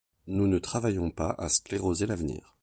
Nous ne travaillons pas à scléroser l'avenir.